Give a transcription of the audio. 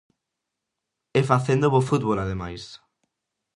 E facendo bo fútbol ademais.